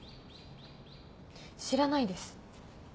知らないです。